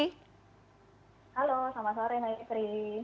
halo selamat sore nayi pri